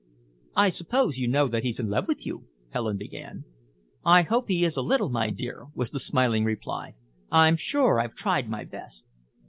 "I suppose you know that he's in love with you?" Helen began. "I hope he is a little, my dear," was the smiling reply. "I'm sure I've tried my best."